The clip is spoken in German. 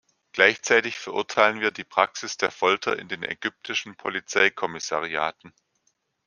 Gleichzeitig verurteilen wir die Praxis der Folter in den ägyptischen Polizeikommissariaten.